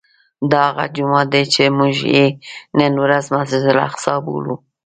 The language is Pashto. دا هغه جومات دی چې موږ یې نن ورځ مسجد الاقصی بولو.